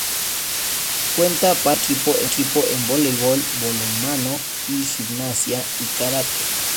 Cuentan aparte con equipo en voleibol, balonmano, gimnasia y karate.